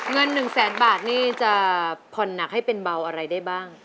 เงิน๑แสนบาทนี่จะผ่อนหนักให้เป็นเบาอะไรได้บ้าง